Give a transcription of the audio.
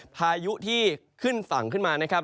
พายุที่ขึ้นฝั่งขึ้นมานะครับ